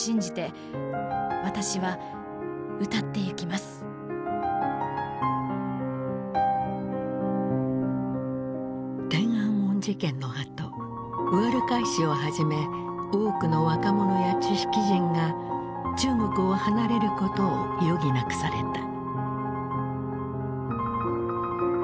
まだそういう天安門事件のあとウアルカイシをはじめ多くの若者や知識人が中国を離れることを余儀なくされた。